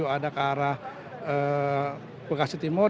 ada ke arah bekasi timur